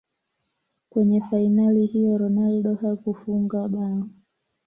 kwenye fainali hiyo ronaldo hakufunga bao